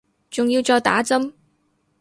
仲要再打針